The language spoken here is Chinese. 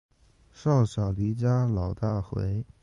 少小离家老大回